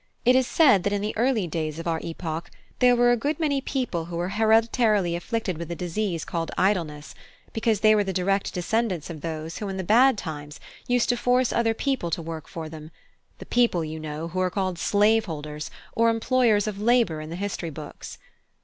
It is said that in the early days of our epoch there were a good many people who were hereditarily afflicted with a disease called Idleness, because they were the direct descendants of those who in the bad times used to force other people to work for them the people, you know, who are called slave holders or employers of labour in the history books.